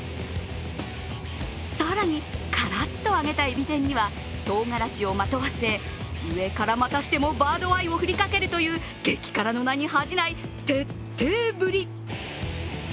更に、からっと揚げたえび天にはとうがらしをまとわせ上から、またしてもバードアイをふりかけるという激辛の名に恥じない徹底ぶり。